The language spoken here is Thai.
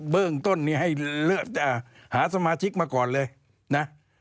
เบื้องต้นนี้ให้เลือกหาสมาชิกมาก่อนเลยนะ